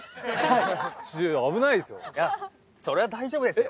いやそれは大丈夫ですよ。